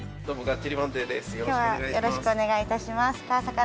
今日はよろしくお願いいたします